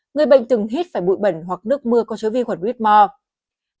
người bệnh từng hít phải bụi bẩn hoặc nước mưa có chứa vi khuẩn whitmore